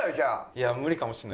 いや無理かもしれない。